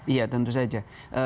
iya tentu saja